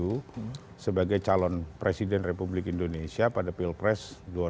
sebagai calon presiden republik indonesia pada pilpres dua ribu sembilan belas